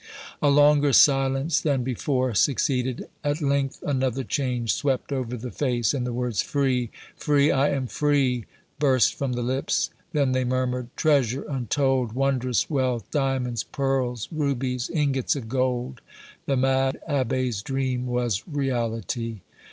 A longer silence than before succeeded. At length another change swept over the face, and the words, "Free free I am free!" burst from the lips; then they murmured, "Treasure untold! wondrous wealth! diamonds pearls rubies ingots of gold! The mad abbé's dream was reality!"